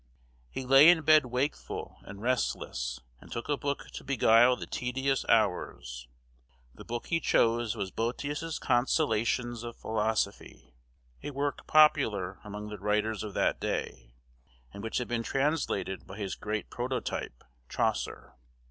He lay in bed wakeful and restless, and took a book to beguile the tedious hours. The book he chose was Boetius' Consolations of Philosophy, a work popular among the writers of that day, and which had been translated by his great prototype, Chaucer.